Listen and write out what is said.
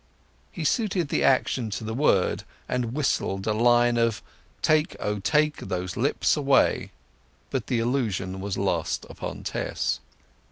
He suited the action to the word, and whistled a line of "Take, O take those lips away." But the allusion was lost upon Tess.